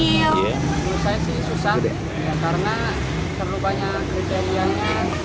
menurut saya sih susah karena terlalu banyak kriteriannya